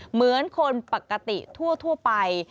เหมือนคนปกติทั่วไป